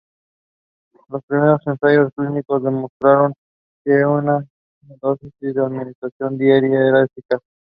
Los primeros ensayos clínicos demostraron que una dosis de administración diaria era eficaz.